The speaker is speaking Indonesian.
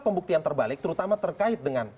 pembuktian terbalik terutama terkait dengan